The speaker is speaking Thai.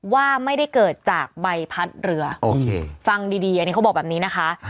ว่าไม่ได้เกิดจากใบพัดเรือโอเคฟังดีอันนี้เขาบอกแบบนี้นะคะ